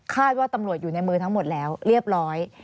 ว่าตำรวจอยู่ในมือทั้งหมดแล้วเรียบร้อย